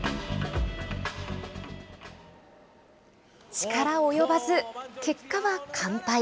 力及ばず、結果は完敗。